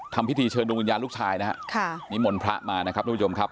ทำพิธีเชิญดวงวิญญาณลูกชายนะฮะมีหม่อนพระมานะครับ